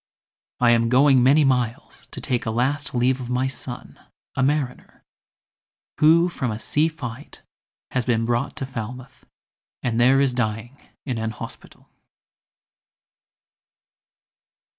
I am going many miles to take A last leave of my son, a mariner, Who from a sea fight has been brought to Falmouth, And there is dying in an hospital."